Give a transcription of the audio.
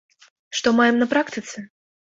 Што маем на практыцы?